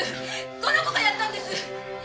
この子がやったんです！